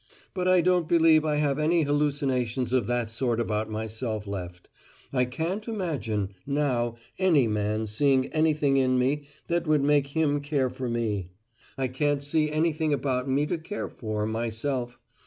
But I don't believe I have any hallucinations of that sort about myself left. I can't imagine now any man seeing anything in me that would make him care for me. I can't see anything about me to care for, myself.